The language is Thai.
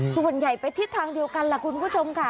ส่วนใหญ่ไปทิศทางเดียวกันล่ะคุณผู้ชมค่ะ